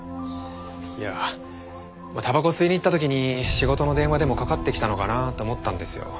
いやたばこを吸いに行った時に仕事の電話でもかかってきたのかなと思ったんですよ。